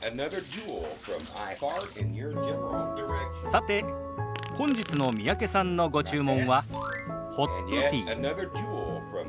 さて本日の三宅さんのご注文はホットティー。